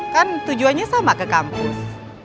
kan tujuannya sama ke kampus